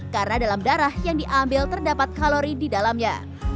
karena dalam darah yang diambil terdapat kalori di dalamnya